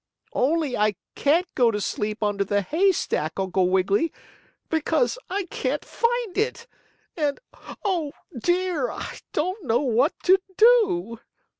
"Only I can't go to sleep under the hay stack, Uncle Wiggily, because I can't find it. And, oh, dear! I don't know what to do!"